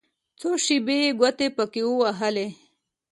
څو شېبې يې ګوتې پکښې ووهلې.